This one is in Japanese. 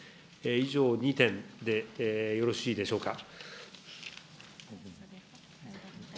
以上２点でよろしいでしょうか。